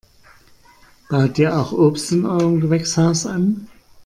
Baut ihr auch Obst in eurem Gewächshaus an?